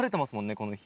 この日。